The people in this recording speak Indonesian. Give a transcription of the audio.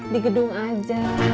di gedung aja